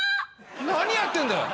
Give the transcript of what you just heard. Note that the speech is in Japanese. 何やってんだよ！